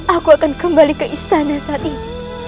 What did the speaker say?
aku akan kembali ke istana saat ini